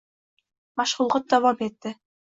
Mashg‘ulot davom etdi.